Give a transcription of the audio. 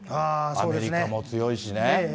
アメリカも強いしね。